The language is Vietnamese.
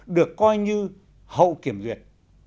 được coi như hậu kiểm duyệt